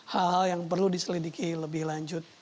hal hal yang perlu diselidiki lebih lanjut